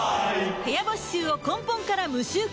部屋干し臭を根本から無臭化